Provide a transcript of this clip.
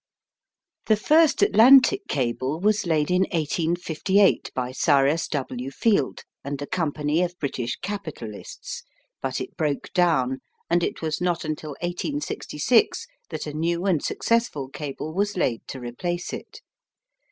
The first Atlantic cable was laid in 1858 by Cyrus W. Field and a company of British capitalists, but it broke down, and it was not until 1866 that a new and successful cable was laid to replace it.